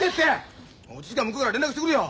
落ち着きゃ向こうから連絡してくるよ。